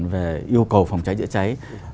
về yêu cầu phòng cháy dựa cháy